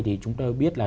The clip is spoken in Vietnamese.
thì chúng tôi biết là